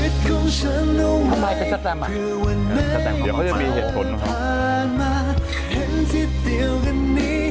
ทำไมเป็นสแตม